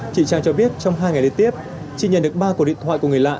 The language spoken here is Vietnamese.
chị trang cho biết trong hai ngày liên tiếp chị nhận được ba cuộc điện thoại của người lạ